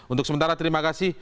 untuk sementara terima kasih